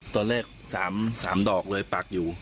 ตอนแรก๓ดอกเลยปักอยู่